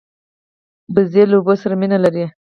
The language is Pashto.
وزې له اوبو سره مینه لري